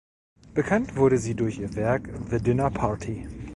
Bekannt wurde sie durch ihr Werk "The Dinner Party".